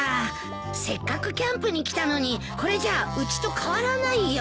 せっかくキャンプに来たのにこれじゃうちと変わらないよ。